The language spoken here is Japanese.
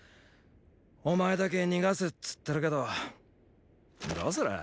お前だけ逃がすっつってるけどどうする？